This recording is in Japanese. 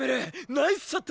ナイスショット！